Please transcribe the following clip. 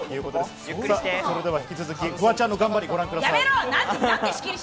それでは引き続き、フワちゃんの頑張りご覧ください。